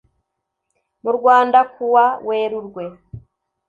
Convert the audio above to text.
Mu rwanda kuwa werurwe